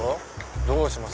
どうします？